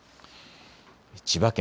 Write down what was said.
千葉県